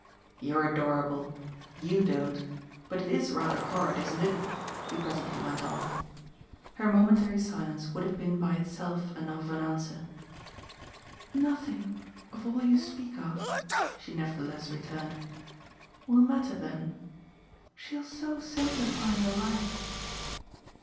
"You're adorable. YOU don't. But it IS rather horrid, isn't it?" he presently went on. Her momentary silence would have been by itself enough of an answer. "Nothing of all you speak of," she nevertheless returned, "will matter then. She'll so simplify your life."